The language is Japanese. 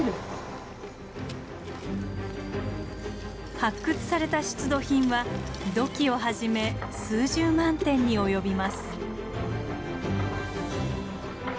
発掘された出土品は土器をはじめ数十万点に及びます。